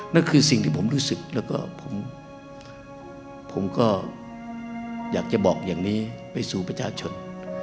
นั่นคือสิ่งที่ผมรู้สึกแล้วก็ผมก็อยากจะบอกอย่างนี้ไปสู่ประชาชน